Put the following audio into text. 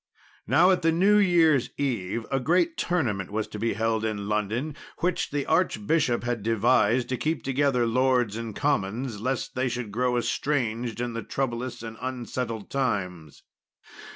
Now, at the New Year's Eve a great tournament was to be held in London, which the archbishop had devised to keep together lords and commons, lest they should grow estranged in the troublous and unsettled times.